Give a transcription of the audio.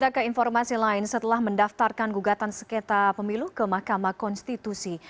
kita ke informasi lain setelah mendaftarkan gugatan sekitar pemilu ke mahkamah konstitusi